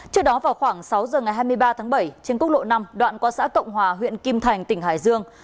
trước đó vào khoảng sáu giờ ngày hai mươi ba tháng bảy trên quốc lộ năm đoạn qua xã cộng hòa huyện kim thành tỉnh hải dương